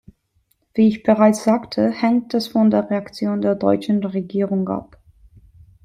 Wie ich bereits sagte, hängt das von der Reaktion der deutschen Regierung ab.